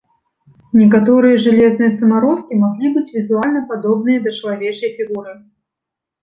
Некаторыя жалезныя самародкі маглі быць візуальна падобныя да чалавечай фігуры.